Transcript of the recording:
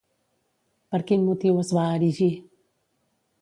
Per quin motiu es va erigir?